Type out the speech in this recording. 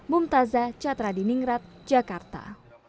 mumtazah chattradiningrat jakarta